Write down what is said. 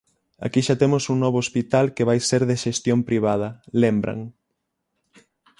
Aquí xa temos un novo hospital que vai ser de xestión privada, lembran.